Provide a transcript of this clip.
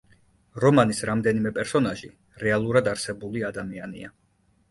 რომანის რამდენიმე პერსონაჟი რეალურად არსებული ადამიანია.